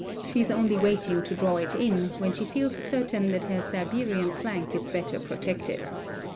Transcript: She is only waiting to draw it in, when she feels certain that her Siberian flank is better protected.